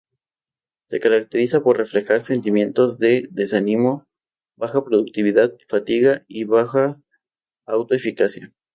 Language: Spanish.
Se caracteriza por reflejar sentimientos de desánimo, baja productividad, fatiga, baja auto eficacia.